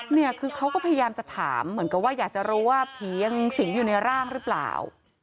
เนี่ยคือเขาก็พยายามจะถามเหมือนกับว่าอยากจะรู้ว่าผียังสิงอยู่ในร่างหรือเปล่า